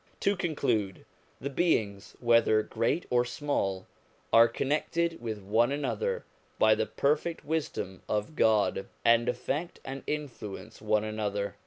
To conclude : the beings, whether great or small, are connected with one another by the perfect wisdom of God, and affect and influence one another.